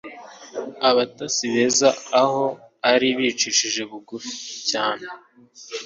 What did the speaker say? Abatasi baza aho ari bicishije bugufi cyane,